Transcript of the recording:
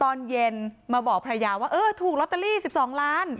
ตอนเย็นมาบอกภรรยาว่าเออถูกลอตเตอรี่๑๒ล้าน